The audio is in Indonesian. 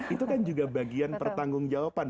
itu kan juga bagian pertanggung jawaban